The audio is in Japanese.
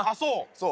そう。